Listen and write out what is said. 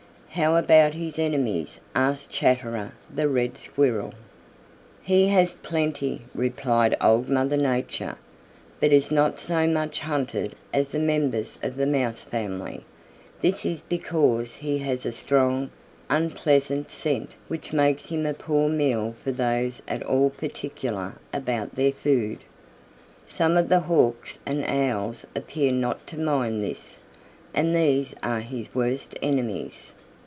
"How about his enemies?" asked Chatterer the Red Squirrel. "He has plenty," replied Old Mother Nature, "but is not so much hunted as the members of the Mouse family. This is because he has a strong, unpleasant scent which makes him a poor meal for those at all particular about their food. Some of the Hawks and Owls appear not to mind this, and these are his worst enemies."